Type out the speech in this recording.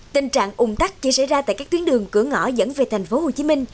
tình trạng ủng tắc chỉ xảy ra tại các tuyến đường cửa ngõ dẫn về thành phố hồ chí minh